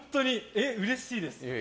え、うれしいです。